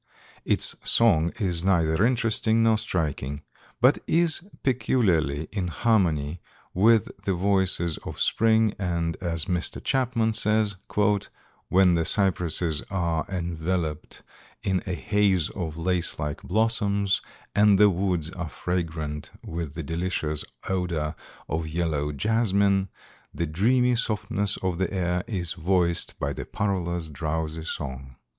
Its song is neither interesting nor striking, but is peculiarly in harmony with the voices of spring and as Mr. Chapman says: "When the cypresses are enveloped in a haze of lace like blossoms and the woods are fragrant with the delicious odor of yellow jasmine, the dreamy softness of the air is voiced by the Parula's drowsy song."